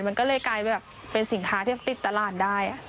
มันก็เลยกลายแบบเป็นสินค้าที่ติดตลาดได้